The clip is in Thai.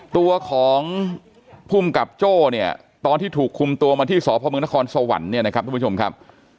ตัวของภูมิกับโจ้เนี่ยตอนที่ถูกคุมตัวมาที่สพมนครสวรรค์เนี่ยนะครับทุกผู้ชมครับ